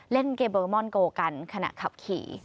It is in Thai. เล่นเกมอนโกกันขณะขับขี่